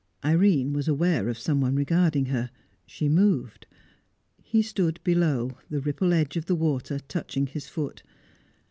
Irene was aware of someone regarding her. She moved. He stood below, the ripple edge of the water touching his foot.